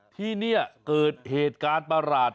ที่นี่เกิดเหตุการณ์ประหลาด